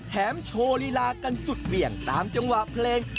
โชว์ลีลากันสุดเบี่ยงตามจังหวะเพลง